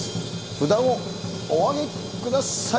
札をお上げください。